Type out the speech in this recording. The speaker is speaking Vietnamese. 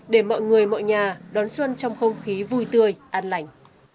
để mọi người mọi nhà đón xuân trong không khí vui tươi an lành